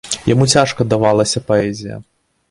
Яму цяжка давалася паэзія.